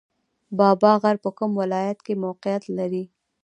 بابا غر په کوم ولایت کې موقعیت لري؟